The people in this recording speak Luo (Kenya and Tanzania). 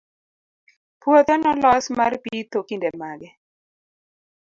puothe nolos mar pitho kinde mage?